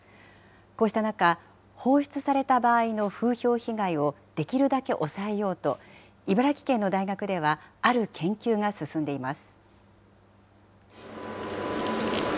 こうした中、放出された場合の風評被害をできるだけ抑えようと、茨城県の大学では、ある研究が進んでいます。